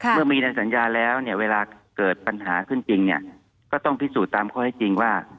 เมื่อมีในสัญญาแล้วเนี่ยเวลาเกิดปัญหาขึ้นจริงเนี่ยก็ต้องพิสูจน์ตามข้อที่จริงว่า